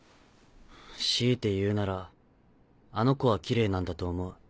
強いて言うならあの子はキレイなんだと思う。